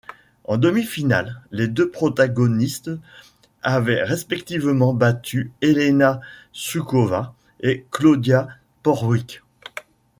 En demi-finale, les deux protagonistes avaient respectivement battu Helena Suková et Claudia Porwik.